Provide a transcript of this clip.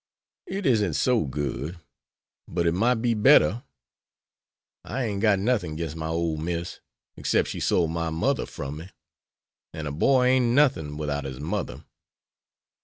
"It isn't so good, but it might be better. I ain't got nothing 'gainst my ole Miss, except she sold my mother from me. And a boy ain't nothin' without his mother.